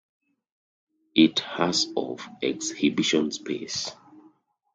It has of exhibition space.